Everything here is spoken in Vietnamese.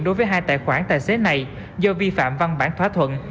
đối với hai tài khoản tài xế này do vi phạm văn bản thỏa thuận